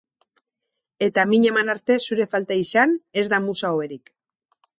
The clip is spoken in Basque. Eta min eman arte zure falta izan Ez da musa hoberik